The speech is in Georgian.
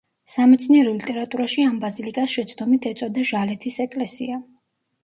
სამეცნიერო ლიტერატურაში ამ ბაზილიკას შეცდომით ეწოდა ჟალეთის ეკლესია.